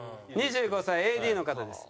２５歳ＡＤの方です。